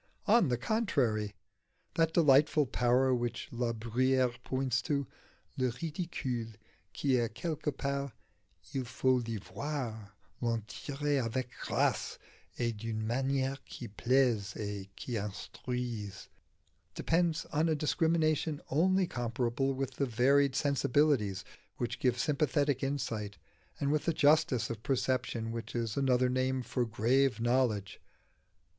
On the contrary. That delightful power which La Bruyère points to "le ridicule qui est quelque part, il faut l'y voir, l'en tirer avec grâce et d'une manière qui plaise et qui instruise" depends on a discrimination only compatible with the varied sensibilities which give sympathetic insight, and with the justice of perception which is another name for grave knowledge.